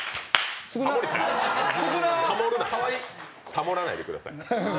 タモらないでください。